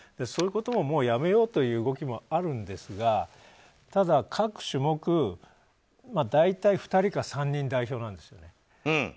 そういうこともやめようという動きもあるんですが、ただ各種目大体、２人か３人代表なんですよね。